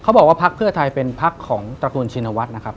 เขาบอกว่าภัครเผื่อไทยเป็นภัครของตกลุ่นศิลปะชีนวัสนะครับ